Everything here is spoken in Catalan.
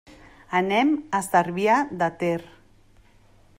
Anem a Cervià de Ter.